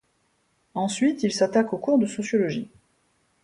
Ensuite, il s'attaque aux cours de sociologie.